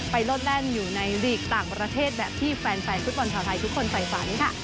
ไปรถแรงอยู่ในลีกต่างประเทศแบบที่แฟนฟุตบอลเท้าไทยทุกคนใส่ฟ้านี้ค่ะ